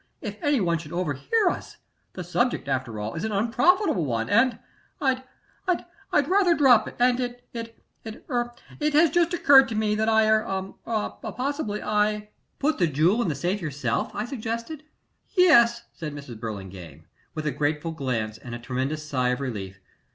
If any one should overhear us The subject, after all, is an unprofitable one, and I'd I'd rather drop it, and it it er it has just occurred to me that possibly I er possibly I ' "'Put the jewel in the safe yourself?' I suggested. "'Yes,' said Mrs. Burlingame,' with a grateful glance and a tremendous sigh of relief.